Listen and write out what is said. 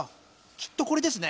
きっとこれですね。